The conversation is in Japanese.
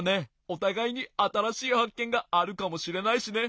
おたがいにあたらしいはっけんがあるかもしれないしね。